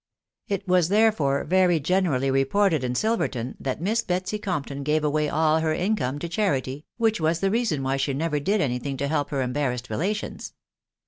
It was therefore very generally reported in Silverton that Miss Betsy Compton gave away all her income in charity, which was the reason why she never did any thing to help her embarrassed relations.